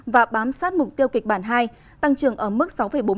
và bám sát mục tiêu kịch bản hai tăng trưởng ở mức sáu bốn mươi tám